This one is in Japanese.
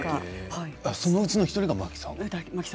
そのうちの１人だ真木さんが。